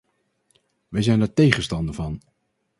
Wij zijn daar tegenstander van.